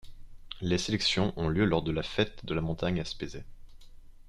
Les sélections ont lieu lors de la Faites de la montagne à Spézet.